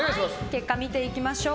結果見ていきましょう。